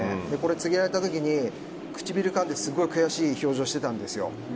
告げられた時唇をかんで悔しい表情をしていたんです。